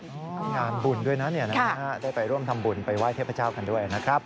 ทำงานบุญด้วยนะได้ไปร่วมทำบุญไปไห้เทพเจ้ากันด้วยนะครับ